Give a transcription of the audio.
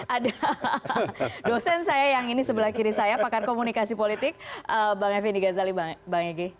ada dosen saya yang ini sebelah kiri saya pakar komunikasi politik bang evin iga zali bang egi